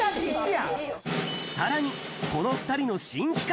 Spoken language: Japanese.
さらにこの２人の新企画